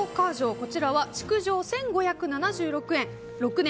こちらは築城１５７６年。